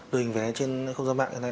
đồ hình vé trên không gian mạng